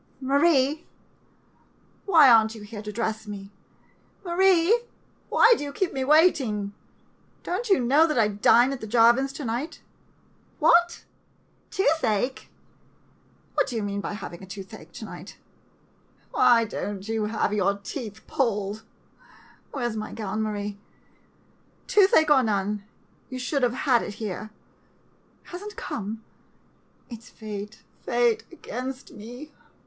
] Marie — why are n't you here to dress me, Marie? Why do you keep me waiting? Don't you know that I dine at the Jarvin's to night? What? Toothache — what do you mean by having toothache to night? Why don't you have your teeth pulled? Where's my gown, Marie? Toothache, or none, you should have had it here. Has n't come ? It 's fate — fate against me